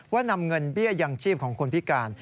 นำเงินเบี้ยยังชีพของคนพิการ